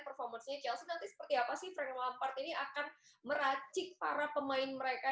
performance nya chelsea nanti seperti apa sih frank mampard ini akan meracik para pemain mereka